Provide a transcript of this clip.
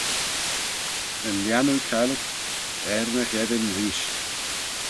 Yn Lhiannoo Caillit er ny Gheddyn Reesht.